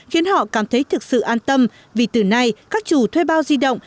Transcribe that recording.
khiến họ cảm thấy thực sự an tâm vì từ nay các chủ thuê bao di động